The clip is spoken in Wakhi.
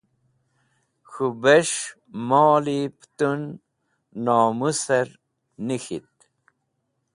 K̃hũ bes̃h moli pẽtun nomũsẽr nik̃ht.